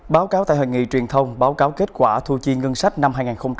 báo cáo tại hội nghị truyền thông báo cáo kết quả thu chi ngân sách năm hai nghìn hai mươi ba